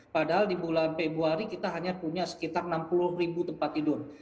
padahal di bulan februari kita hanya punya sekitar enam puluh ribu tempat tidur